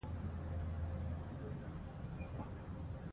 استاد د خدای هغه لویه ډالۍ ده چي د بشریت ژوند ته مانا ورکوي.